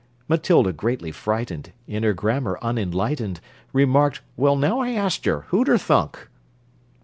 Matilda, greatly frightened, In her grammar unenlightened, Remarked: "Well now I ast yer! Who'd 'er thunk?"